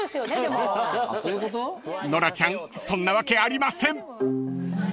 ［ノラちゃんそんなわけありません！］